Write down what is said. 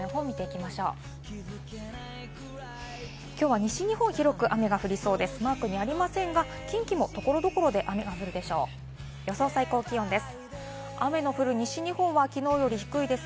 きょうは西日本、広く雨が降りそうです。